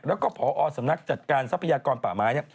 แล้วก็พอสำนักจัดการทรัพยากรป่าไม้